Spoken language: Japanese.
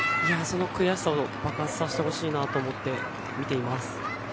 その悔しさを爆発させてほしいなと思って見ています。